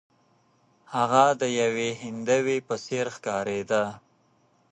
هغه د یوې هندوې په څیر ښکاریده.